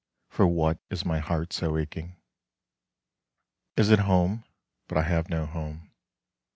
For what is my heart so aching? Is it home? but I have no home.